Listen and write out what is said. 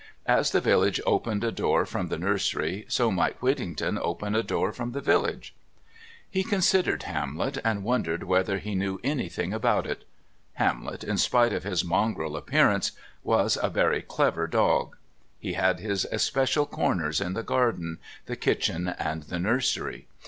As the village opened a door from the nursery, so might Whittington open a door from the village. He considered Hamlet and wondered whether he knew anything about it. Hamlet, in spite of his mongrel appearance, was a very clever dog. He had his especial corners in the garden, the kitchen and the nursery.